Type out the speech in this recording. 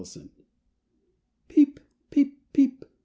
LOST! "Peep! Peep! Peep!"